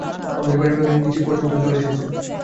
আমাদের বাড়ির বাগানের নীচে পর্যন্ত জল এসেছে।